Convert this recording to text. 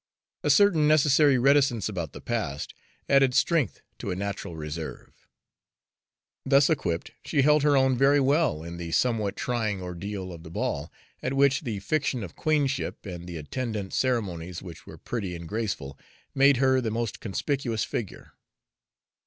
A certain necessary reticence about the past added strength to a natural reserve. Thus equipped, she held her own very well in the somewhat trying ordeal of the ball, at which the fiction of queenship and the attendant ceremonies, which were pretty and graceful, made her the most conspicuous figure.